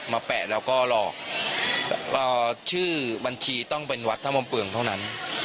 แปะแล้วก็หลอกชื่อบัญชีต้องเป็นวัดธรรมเปลืองเท่านั้น